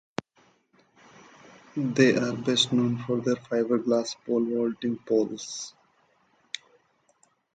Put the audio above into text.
They are best known for their fiberglass pole vaulting poles.